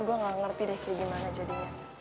gue gak ngerti deh kayak gimana jadinya